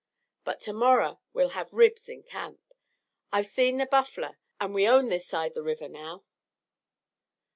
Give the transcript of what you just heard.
But to morrer we'll have ribs in camp. I've seed the buffler, an' we own this side the river now."